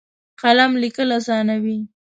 قلم لیکل اسانوي.